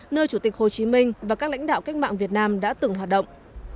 nơi chủ tịch hồ chí minh và các lãnh đạo cách mạng việt nam đã từng hoạt động